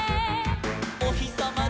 「おひさま